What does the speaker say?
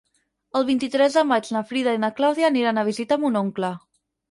El vint-i-tres de maig na Frida i na Clàudia aniran a visitar mon oncle.